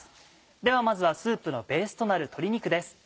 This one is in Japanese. ではまずはスープのベースとなる鶏肉です。